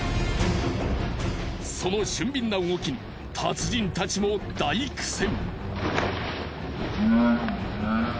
その俊敏な動きに達人たちも大苦戦。